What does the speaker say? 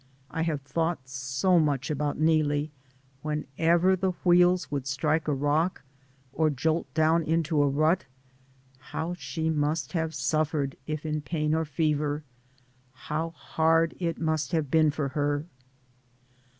I have thought so much about Neelie, whenever the wheels would strike a rock, or jolt down into a rut; how she must have suffered, if in pain or fever; how hard it must have been for her.